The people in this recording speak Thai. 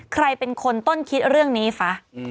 ใครเป็นคนต้นคิดเรื่องนี้ซะ